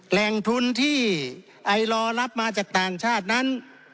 แหล่งทุนที่ไอลอรับมาจากต่างชาตินั้น